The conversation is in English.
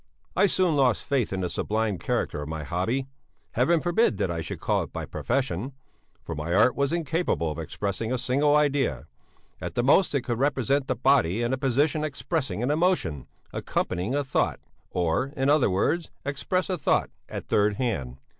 "'I soon lost faith in the sublime character of my hobby heaven forbid that I should call it my profession for my art was incapable of expressing a single idea; at the most it could represent the body in a position expressing an emotion accompanying a thought or, in other words, express a thought at third hand.